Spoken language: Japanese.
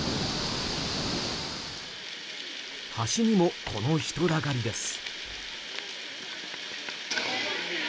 端にもこの人だかりです。